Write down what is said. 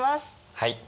はい。